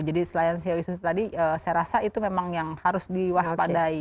jadi selain ceo isu tadi saya rasa itu memang yang harus diwaspadai